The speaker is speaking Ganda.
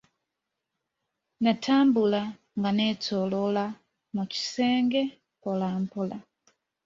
Natambula nga ne toloola mu kisenge mpolampola.